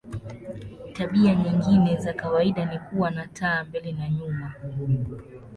Tabia nyingine za kawaida ni kuwa na taa mbele na nyuma.